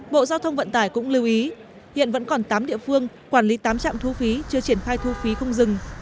bộ giao thông vận tải cũng lưu ý hiện vẫn còn tám địa phương quản lý tám trạm thu phí chưa triển khai thu phí không dừng